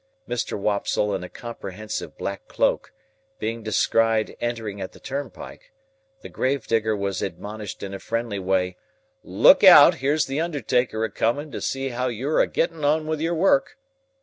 Mr. Wopsle in a comprehensive black cloak, being descried entering at the turnpike, the gravedigger was admonished in a friendly way, "Look out! Here's the undertaker a coming, to see how you're a getting on with your work!"